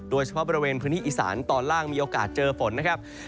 โดยเฉพาะบริเวณพื้นที่อีสานตอนล่างมีโอกาสเจอฝนนะครับ